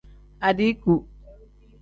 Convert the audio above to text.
Adiiku.